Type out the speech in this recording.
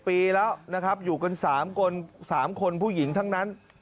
ปีแล้วนะครับอยู่กัน๓คน๓คนผู้หญิงทั้งนั้น